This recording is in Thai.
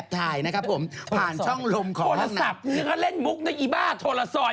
ถ่ายอ่ะครับผมผ่านช่องลมของเล่นมุกน้อยอีบาทโทรสอย